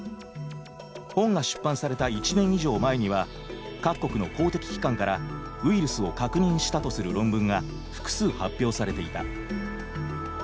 本が出版された１年以上前には各国の公的機関からウイルスを確認したとする論文が複数発表されていた。